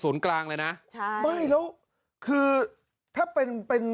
ไม่แล้วคือถ้าเป็น